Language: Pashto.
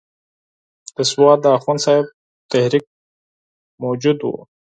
د سوات د اخوند صاحب تحریک موجود وو.